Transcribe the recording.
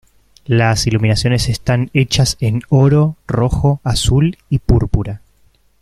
Las iluminaciones están hechas en oro, rojo, azul y púrpura.